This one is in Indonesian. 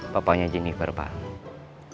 papanya jennifer pak